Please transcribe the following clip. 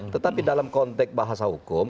tetapi dalam konteks bahasa hukum